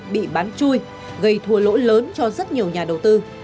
bị bán chui gây thua lỗi lớn cho rất nhiều người